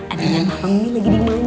ada yang hamil lagi dimanjakan